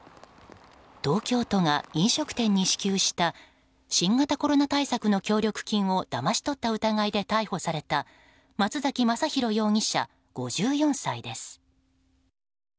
東京都が飲食店に支給した新型コロナ対策の協力金をだまし取った疑いで逮捕された松崎全弘容疑者、５４歳です。